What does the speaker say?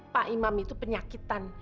pak imam itu penyakitan